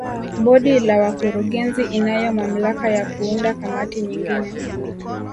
Bodi ya wakurugenzi inayo mamlaka ya kuunda kamati nyingine